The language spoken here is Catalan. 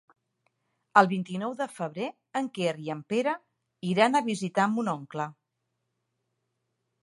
El vint-i-nou de febrer en Quer i en Pere iran a visitar mon oncle.